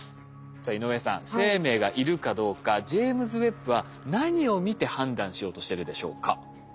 さあ井上さん生命がいるかどうかジェイムズ・ウェッブは何を見て判断しようとしてるでしょうか？